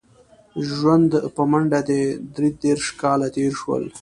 ژوند په منډه دی درې دېرش کاله تېر شول.